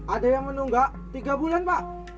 ada yang menunggak tiga bulan pak